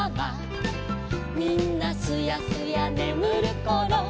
「みんなすやすやねむるころ」